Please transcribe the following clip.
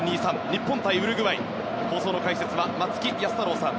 日本対ウルグアイ放送の解説は松木安太郎さん